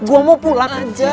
gue mau pulang aja